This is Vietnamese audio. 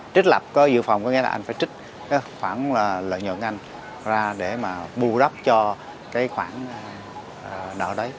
trích lập dự phòng có nghĩa là anh phải trích khoản lợi nhuận anh ra để mà bù đắp cho cái khoản nợ đấy